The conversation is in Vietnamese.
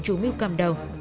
chủ mưu cầm đầu